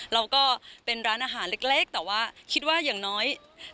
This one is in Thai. เราก็เป็นร้านอาหารเล็กแต่ว่าคิดว่าอย่างน้อย